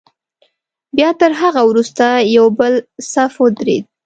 بیا تر هغه وروسته یو بل صف ودرېد.